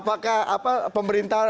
maka apa pemerintah